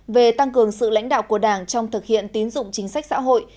về tăng cường sự lãnh đạo của đảng trong thực hiện tín dụng chính sách xã hội